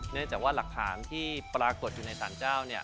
เนื่องจากว่าหลักฐานที่ปรากฏอยู่ในสารเจ้า